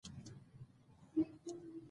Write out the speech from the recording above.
خاوره د ټولو افغان ښځو په ژوند کې هم رول لري.